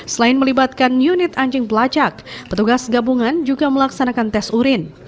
selain melibatkan unit anjing pelacak petugas gabungan juga melaksanakan tes urin